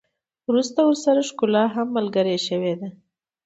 وروسته ورسره ښکلا هم ملګرې شوې ده.